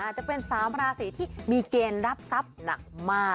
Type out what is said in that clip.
จะเป็น๓ราศีที่มีเกณฑ์รับทรัพย์หนักมาก